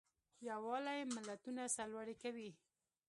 یووالی ملتونه سرلوړي کوي.